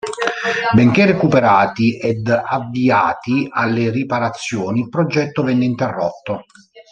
Benché recuperati ed avviati alle riparazioni, il progetto venne interrotto.